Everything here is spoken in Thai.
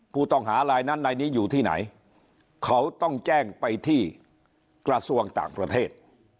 ผู้ต้องหารายนั้นนายนี้อยู่ที่ไหนเขาต้องแจ้งไปที่กระทรวงต่างประเทศ